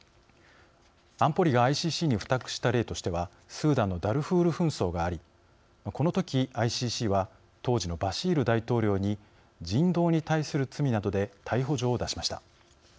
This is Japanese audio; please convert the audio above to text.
安保理がＩＣＣに付託した例としてはスーダンのダルフール紛争がありこのとき、ＩＣＣは当時のバシール大統領に人道に対する罪などで逮捕状を出しました。